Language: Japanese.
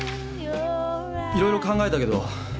いろいろ考えたけどやっぱり。